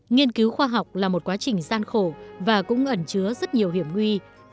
nghiên cứu khoa học là một quá trình gian khổ và cũng ẩn chứa rất nhiều hiểm nguy